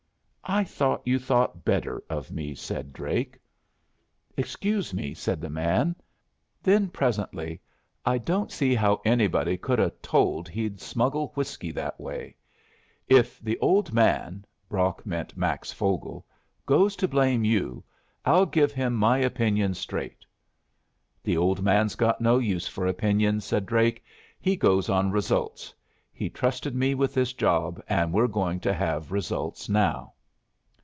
"I thought you thought better of me," said Drake. "Excuse me," said the man. Then presently: "I don't see how anybody could 'a' told he'd smuggle whiskey that way. If the old man [Brock meant Max Vogel] goes to blame you, I'll give him my opinion straight." "The old man's got no use for opinions," said Drake. "He goes on results. He trusted me with this job, and we're going to have results now."